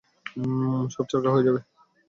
সব ছারখার হয়ে যাবে।